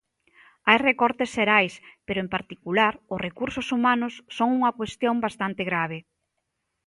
Hai recortes xerais pero, en particular, os recursos humanos son unha cuestión bastante grave.